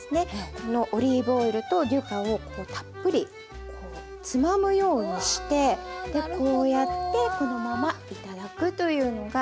このオリーブオイルとデュカをたっぷりこうつまむようにしてこうやってこのまま頂くというのが楽しみ方の一つです。